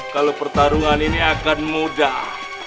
kalau pertarungan ini akan mudah